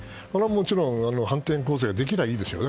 もちろん、反転攻勢ができればいいですよね。